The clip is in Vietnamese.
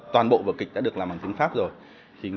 toàn bộ vở kịch đã được làm bằng tiếng pháp rồi